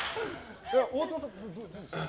大友さん、どうですか？